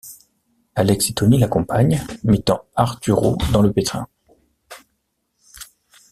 Alex et Tony l'accompagnent, mettant Arturo dans le pétrin...